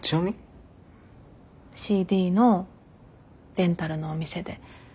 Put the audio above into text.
ＣＤのレンタルのお店で。